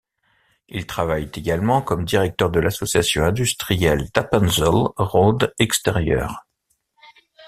Il travaille également comme directeur de l'Association industrielle d'Appenzell Rhodes-Extérieures.